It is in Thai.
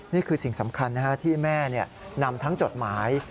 นี่คือสิ่งสำคัญที่แม่นำทั้งจดหมาย